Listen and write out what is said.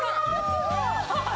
すごーい！